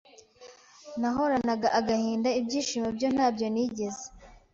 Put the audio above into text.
Nahoranaga agahinda, ibyishimo byo ntabyo nigeze.